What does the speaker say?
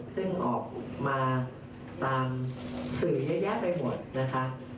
ซึ่งออกมาตามสื่อเยอะแยะไปหมดนะคะ